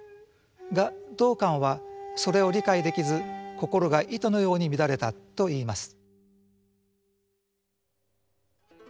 が道灌はそれを理解できず心が糸のように乱れたといいます。